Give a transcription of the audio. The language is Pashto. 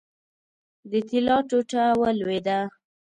د طلا ټوټه ولوېده.